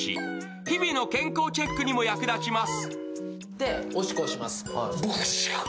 日々の健康チェックにも役立ちます。